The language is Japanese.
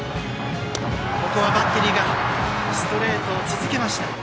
ここはバッテリーがストレートを続けました。